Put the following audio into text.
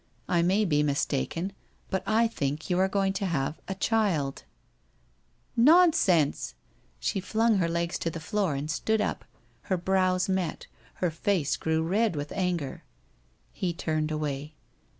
I may be mistaken, but I think you are going to have a child/ ' Xonsense !' She flung her legs to the floor and stood up ; her brows met, her face grew red with anger. ... He turned away.